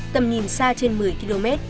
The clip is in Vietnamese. tầm nhìn xa trên một mươi km